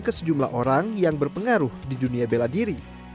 ke sejumlah orang yang berpengaruh di dunia bela diri